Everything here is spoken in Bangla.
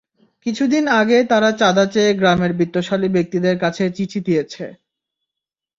কিছুদিন আগে তারা চাঁদা চেয়ে গ্রামের বিত্তশালী ব্যক্তিদের কাছে চিঠি দিয়েছে।